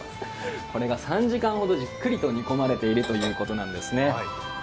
これが３時間ほどじっくり煮込まれているということなんですね。